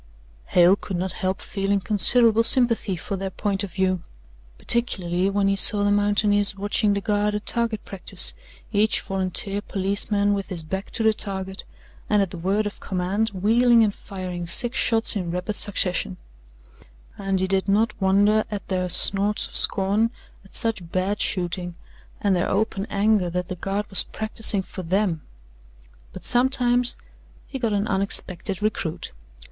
Hale could not help feeling considerable sympathy for their point of view particularly when he saw the mountaineers watching the Guard at target practice each volunteer policeman with his back to the target, and at the word of command wheeling and firing six shots in rapid succession and he did not wonder at their snorts of scorn at such bad shooting and their open anger that the Guard was practising for THEM. But sometimes he got an unexpected recruit.